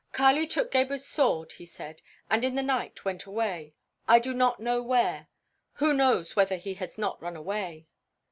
"Kali took Gebhr's sword," he said, "and in the night went away; I do not know where. Who knows whether he has not run away?